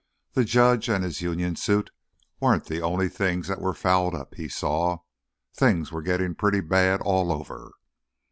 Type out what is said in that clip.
The judge and his union suit weren't the only things that were fouled up, he saw. Things were getting pretty bad all over.